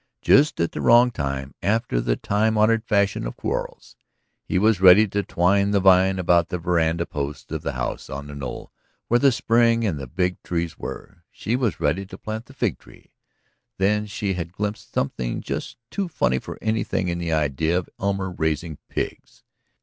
Just at the wrong time, after the time honored fashion of quarrels. He was ready to twine the vine about the veranda posts of the house on the knoll where the spring and the big trees were, she was ready to plant the fig tree. Then she had glimpsed something just too funny for anything in the idea of Elmer raising pigs